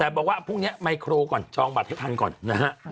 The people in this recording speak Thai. แต่บอกว่าพรุ่งนี้ไมโครก่อนจองบัตรให้ทันก่อนนะฮะ